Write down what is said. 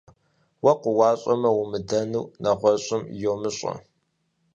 Уэ къыуащӀэмэ умыдэнур нэгъуэщӀым йумыщӀэ.